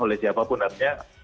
oleh siapapun artinya